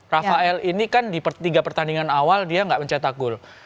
rafael ini kan di tiga pertandingan awal dia nggak mencetak gol